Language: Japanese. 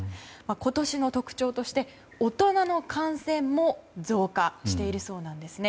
今年の特徴として大人の感染も増加しているそうなんですね。